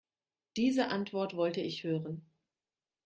Diese Antwort wollte ich hören.